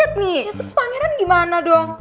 terus pangeran gimana dong